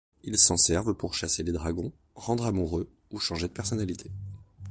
Ils s'en servent pour chasser les dragons, rendre amoureux ou changer de personnalité.